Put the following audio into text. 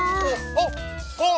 あっああ。